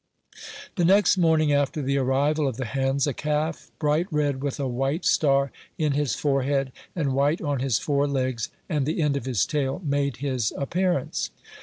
The next morning, after the arrival of the hens, a calf, bright red, with a white star in his forehead, and white on his fore legs and the end of his tail, made his appearance.